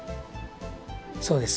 そうです